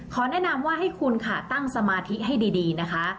แนะนำว่าให้คุณค่ะตั้งสมาธิให้ดีนะคะ